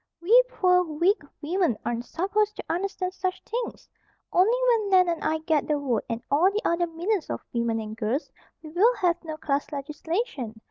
"We poor, weak women aren't supposed to understand such things. Only when Nan and I get the vote, and all the other millions of women and girls, we will have no class legislation.